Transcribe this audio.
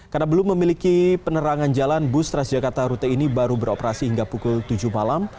karena belum memiliki penerangan jalan bus transjakarta rute ini baru beroperasi hingga pukul tujuh malam